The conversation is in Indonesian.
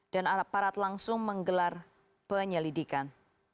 dan aparat langsung menggelar penyelidikan